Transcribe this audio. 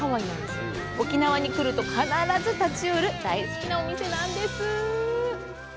沖縄に来ると必ず立ち寄る大好きなお店なんです。